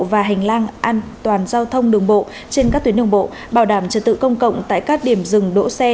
và hành lang an toàn giao thông đường bộ trên các tuyến đường bộ bảo đảm trật tự công cộng tại các điểm dừng đỗ xe